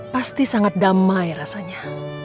pasti sangat damai rasanya